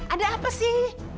ada apa sih